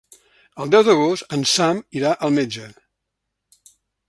El deu d'agost en Sam irà al metge.